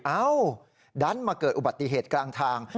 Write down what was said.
เอ้าดันมาเกิดอุบัติเหตุกลางทาง